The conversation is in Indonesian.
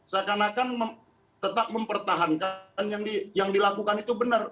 seakan akan tetap mempertahankan yang dilakukan itu benar